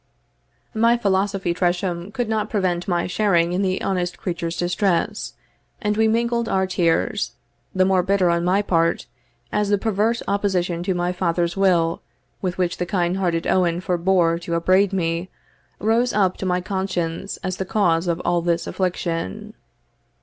My philosophy, Tresham, could not prevent my sharing in the honest creature's distress, and we mingled our tears, the more bitter on my part, as the perverse opposition to my father's will, with which the kind hearted Owen forbore to upbraid me, rose up to my conscience as the cause of all this affliction.